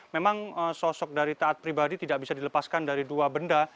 memang sosok dari taat pribadi tidak bisa dilepaskan dari dua benda